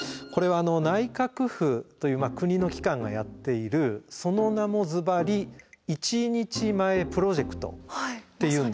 これは内閣府という国の機関がやっているその名もズバリ「一日前プロジェクト」っていうんですね。